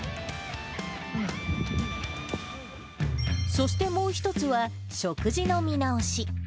そしてもう１つは、食事の見直し。